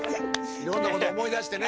いろんなこと思い出してね。